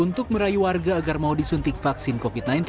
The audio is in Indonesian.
untuk merayu warga agar mau disuntik vaksin covid sembilan belas